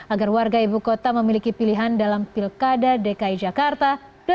agar warga ibu kota memiliki pilihan dalam pilkada dki jakarta dua ribu delapan belas